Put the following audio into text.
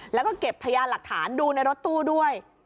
แล้วก็เก็บพยานหลักฐานดูในรถตู้ด้วย